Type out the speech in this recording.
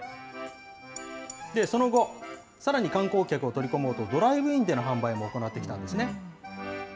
その後、さらに観光客を取り込もうと、ドライブインでの販売も行ってきたんですね。